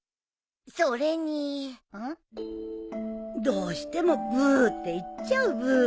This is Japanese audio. どうしてもブーって言っちゃうブー